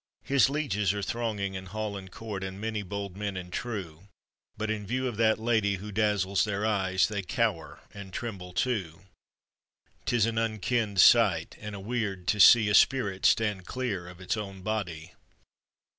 His lieges are thronging in hall and court, And many bold men and true, But in view of that lady who 'dazzle, their eyes They cower and tremble too: 'Tis an unkenned sight, and a weird, to see A spirit stand clear of its own bodie.